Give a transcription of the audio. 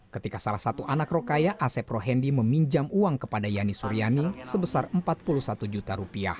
ketika salah satu anak rokaya asep rohendi meminjam uang kepada yani suryani sebesar rp empat puluh satu juta